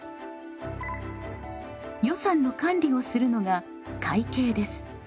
予算の管理をするのが会計です。